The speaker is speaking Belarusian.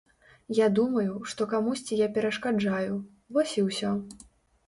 Я думаю, што камусьці я перашкаджаю, вось і ўсё.